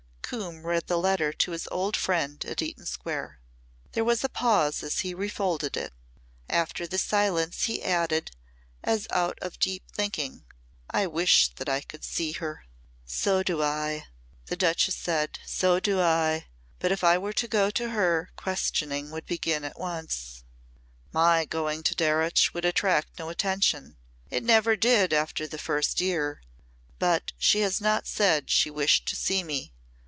Coombe read the letter to his old friend at Eaton Square. There was a pause as he refolded it. After the silence he added as out of deep thinking, "I wish that I could see her." "So do I," the Duchess said. "So do I. But if I were to go to her, questioning would begin at once." "My going to Darreuch would attract no attention. It never did after the first year. But she has not said she wished to see me.